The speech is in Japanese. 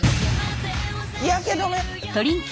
日焼け止め。